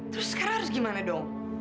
terus sekarang harus gimana dong